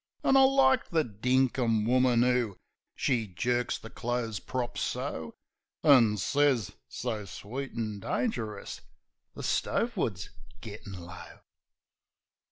An' I like the dinkum woman 'oo ... (She jerks the clothes prop, so, An' sez, so sweet an' dangerous, "The stove wood's gittin' low."